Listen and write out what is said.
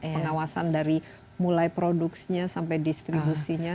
pengawasan dari mulai produksinya sampai distribusinya